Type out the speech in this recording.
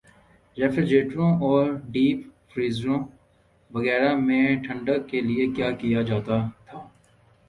ریفریجریٹروں اور ڈیپ فریزروں وغیرہ میں ٹھنڈک کیلئے کیا جاتا تھا